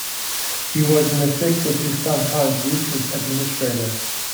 He was an effective, if sometimes ruthless, administrator.